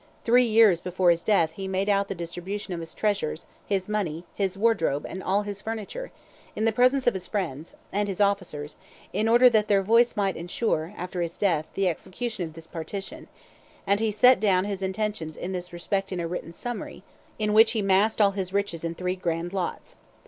Three years before his death he made out the distribution of his treasures, his money, his wardrobe, and all his furniture, in the presence of his friends and his officers, in order that their voice might insure, after his death, the execution of this partition, and he set down his intentions in this respect in a written summary, in which he massed all his riches in three grand lots.